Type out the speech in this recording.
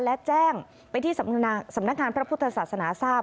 และแจ้งไปที่สำนักงานพระพุทธศาสนาทราบ